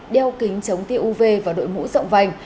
đeo kính chống tiêu uv và đội mũ rộng vành